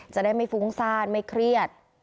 จะได้ไม่ฟุ้งซ่านไม่เครียด